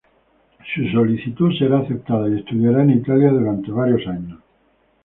Su solicitud será aceptada y estudiará en Italia durante varios años.